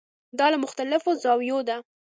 دا له مختلفو زاویو ده.